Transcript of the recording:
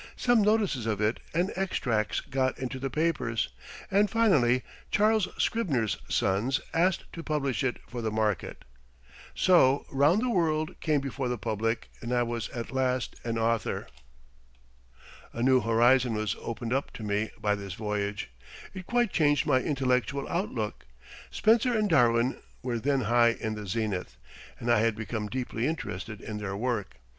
Some notices of it and extracts got into the papers, and finally Charles Scribner's Sons asked to publish it for the market. So "Round the World" came before the public and I was at last "an author." [Footnote 36: Round the World, by Andrew Carnegie. New York and London, 1884.] A new horizon was opened up to me by this voyage. It quite changed my intellectual outlook. Spencer and Darwin were then high in the zenith, and I had become deeply interested in their work.